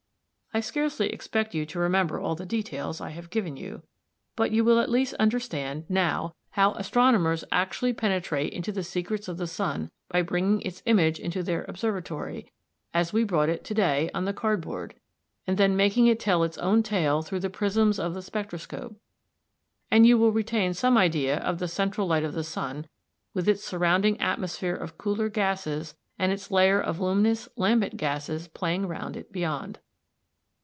I scarcely expect you to remember all the details I have given you, but you will at least understand now how astronomers actually penetrate into the secrets of the sun by bringing its image into their observatory, as we brought it to day on the card board, and then making it tell its own tale through the prisms of the spectroscope; and you will retain some idea of the central light of the sun with its surrounding atmosphere of cooler gases and its layer of luminous lambent gases playing round it beyond.